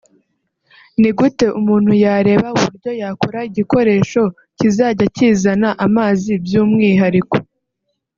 ni gute umuntu yareba uburyo yakora igikoresho kizajya kizana amazi by’umwihariko